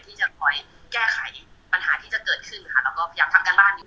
ที่จะคอยแก้ไขปัญหาที่จะเกิดขึ้นค่ะเราก็พยายามทำการวาด